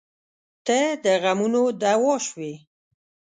• ته د غمونو دوا شوې.